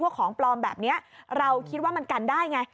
ของปลอมแบบนี้เราคิดว่ามันกันได้ไง